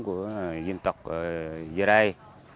của dân tộc dưới đây